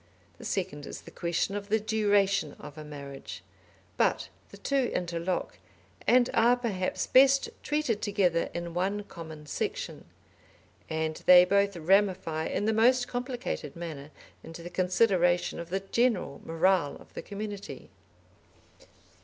The second is the question of the duration of a marriage. But the two interlock, and are, perhaps, best treated together in one common section. And they both ramify in the most complicated manner into the consideration of the general morale of the community.